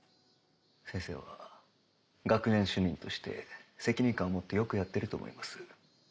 先生は学年主任として責任感を持ってよくやっていると思います。